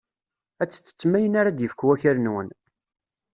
Ad tettettem ayen ara d-yefk wakal-nwen.